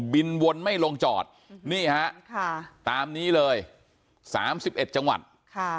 วนไม่ลงจอดนี่ฮะค่ะตามนี้เลยสามสิบเอ็ดจังหวัดค่ะ